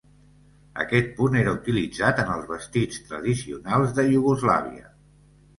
Aquest punt era utilitzat en els vestits tradicionals de Iugoslàvia.